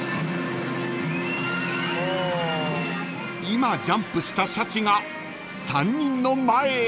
［今ジャンプしたシャチが３人の前へ］